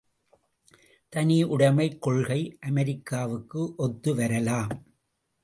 தனியுடைமைக் கொள்கை அமெரிக்காவுக்கு ஒத்து வரலாம்.